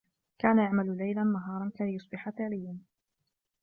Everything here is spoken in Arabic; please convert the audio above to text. كان يعمل ليلا، نهارا كي يصبح ثريا.